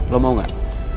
lo mau gak